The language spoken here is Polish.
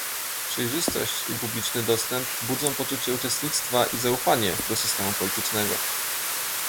Przejrzystość i publiczny dostęp budzą poczucie uczestnictwa i zaufanie do systemu politycznego